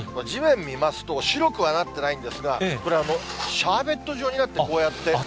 地面見ますと、白くはなってないんですが、これ、シャーベット状になって、こうやって。